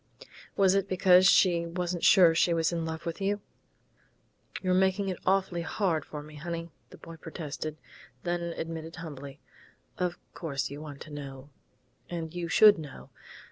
"Was it because she wasn't sure she was in love with you?" "You're making it awfully hard for me, honey," the boy protested, then admitted humbly, "Of course you want to know, and you should know....